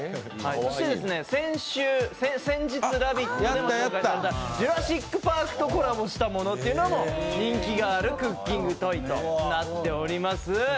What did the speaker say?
そして、先日「ラヴィット！」で紹介してもらった「ジュラシック・パーク」とコラボしたものもある人気があるクッキングトイとなっております。